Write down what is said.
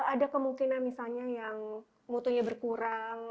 ada kemungkinan misalnya yang mutunya berkurang